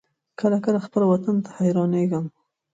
کله کله خپل وطن ته حيرانېږم.